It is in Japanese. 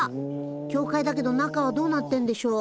教会だけど中はどうなってんでしょう。